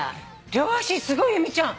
両足すごい由美ちゃん。